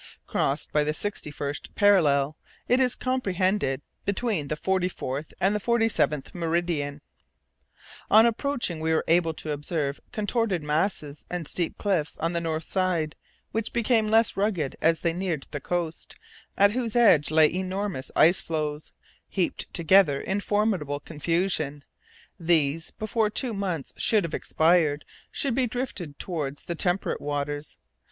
Crossed by the sixty first parallel, it is comprehended between the forty fourth and the forty seventh meridian. On approaching, we were enabled to observe contorted masses and steep cliffs on the north side, which became less rugged as they neared the coast, at whose edge lay enormous ice floes, heaped together in formidable confusion; these, before two months should have expired, would be drifted towards the temperate waters.